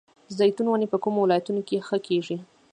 د زیتون ونې په کومو ولایتونو کې ښه کیږي؟